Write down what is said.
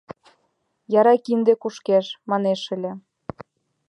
«Яра кинде кушкеш!» — манеш ыле.